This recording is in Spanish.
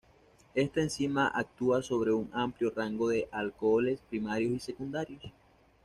Esta enzima actúa sobre un amplio rango de alcoholes primarios y secundarios.